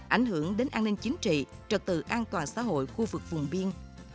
ảnh hưởng đến an ninh chính trị trật tự an toàn xã hội khu vực vùng biên